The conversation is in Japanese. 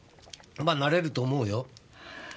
まなれると思うよ。